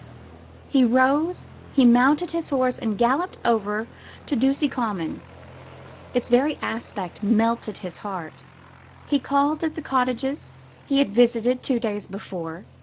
He rose, he mounted his horse, and galloped over to Ducie Common. Its very aspect melted his heart. He called at the cottages he had visited two days before.